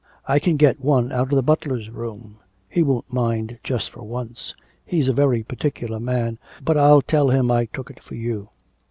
I can get one out of the butler's room. He won't mind just for once. He's a very particular man. But I'll tell him I took it for you.'